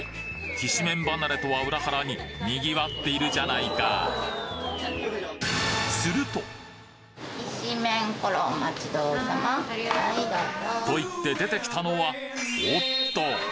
きしめん離れとは裏腹に賑わっているじゃないか！といって出てきたのはおっと！